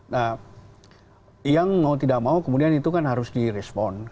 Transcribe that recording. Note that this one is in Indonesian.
nah yang mau tidak mau kemudian itu kan harus direspon